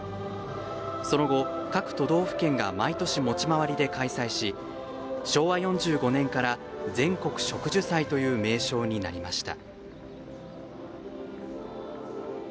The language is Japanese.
その後、各都道府県が毎年持ち回りで開催し昭和４５年から全国植樹祭という名称になりました。